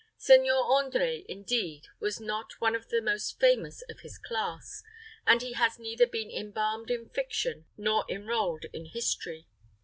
Seigneur André, indeed, was not one of the most famous of his class, and he has neither been embalmed in fiction nor enrolled in history.